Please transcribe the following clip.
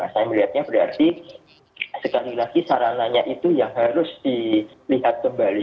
saya melihatnya berarti sekali lagi sarananya itu yang harus dilihat kembali